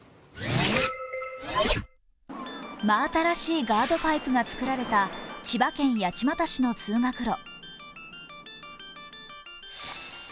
真新しいガードパイプが作られた千葉県八街市の通学路。